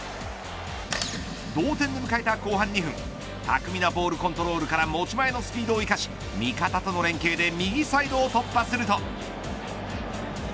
同点で迎えた後半２分巧みなボールコントロールから持ち前のスピードを生かし味方との連係で右サイドを突破すると。